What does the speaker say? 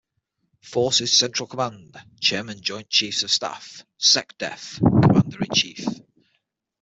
Forces Central Command, Chairman Joint Chiefs of Staff, SecDef, Commander in Chief.